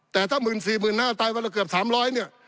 แต่ถ้า๑๔๕๐๐ตายวันละเกือบ๓๐๐เนี่ย